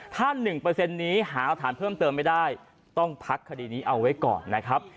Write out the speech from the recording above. ถ้า๑นี้หารักฐานเพิ่มเติมไม่ได้ต้องพักคดีนี้เอาไว้ก่อนนะครับ